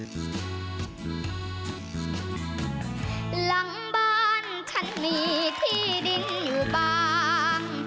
หลังบ้านฉันมีที่ดินอยู่บาง